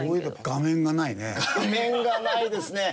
画面がないですね。